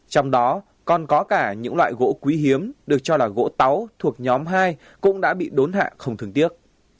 trong đó còn có cả những loại gỗ quý hiếm được cho là gỗ táu thuộc nhóm hai cũng đã bị đốn hạ không thương tiếc